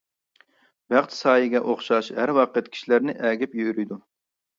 بەخت سايىگە ئوخشاش ھەر ۋاقىت كىشىلەرنى ئەگىپ يۈرىدۇ.